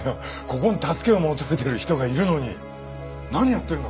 ここに助けを求めてる人がいるのに何やってるんだ？